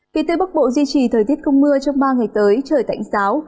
khi tây bắc bộ duy trì thời tiết không mưa trong ba ngày tới trời tảnh giáo